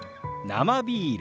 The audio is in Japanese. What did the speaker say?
「生ビール」。